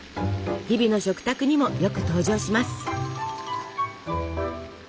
日々の食卓にもよく登場します。